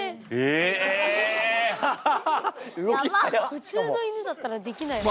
普通の犬だったらできないね。